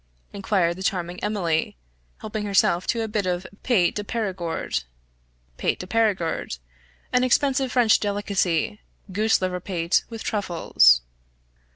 inquired the charming Emily, helping herself to a bit of pate de Perigord. {pate de Perigord = an expensive French delicacy: goose liver pate with truffles.